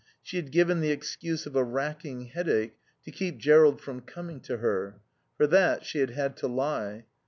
She had given the excuse of a racking headache to keep Jerrold from coming to her. For that she had had to lie.